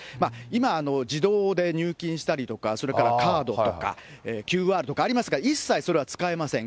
今、自動で入金したりとか、それからカードとか、ＱＲとかありますが、一切それは使えません。